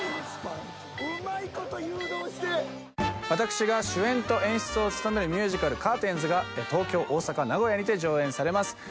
私が主演と演出を務めるミュージカル「カーテンズ」が東京大阪名古屋にて上演されます。